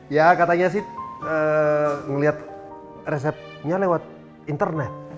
ya katanya sih ngeliat resepnya lewat internet